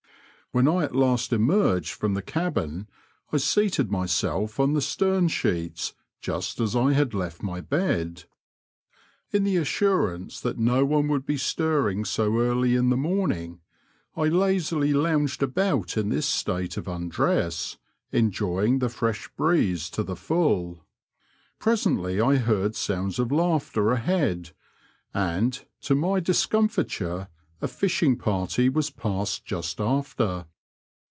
When I at last emerged from the cabin I seated myself on the stem sheets just as I had left my bed. In the assurance that no one would be stirring so early in he morning, I lazily lounged about in this state of undress, enjoying the fresh breeze to the full. Presently I heard sounds of laughter ahead, and, to my discomfiture, a fishing party was passed just after.